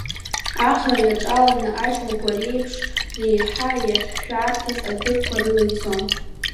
Ахра иаҿаланы, аџьмақәа реиԥш, реиҳа иахьшәарҭаз аҭыԥқәа рыла ицон.